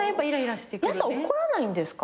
安さん怒らないんですか？